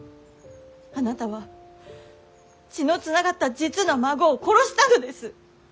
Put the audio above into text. あなたは血の繋がった実の孫を殺したのです。